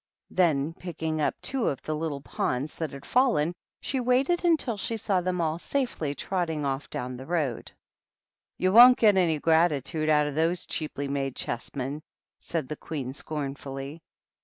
Then picking up two of the Q k 18 146 THE RED QUEEN AND THE DUCHESS. little pawns that had fallen, she waited until she saw them all safely trotting off down the road. "You won't get any gratitude out of those cheaply made chessmen," said the Queen, scorn fully.